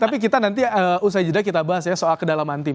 tapi kita nanti usai jeda kita bahas ya soal kedalaman tim